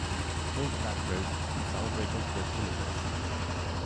Goldblatt wrote, The celebrations were tumultuous.